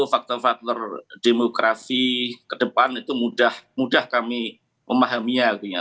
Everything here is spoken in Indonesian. faktor faktor demografi ke depan itu mudah kami memahami